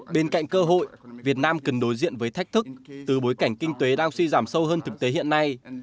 bên cạnh cơ hội việt nam cần đối diện với thách thức từ bối cảnh kinh tế đang suy giảm sâu hơn thực tế hiện nay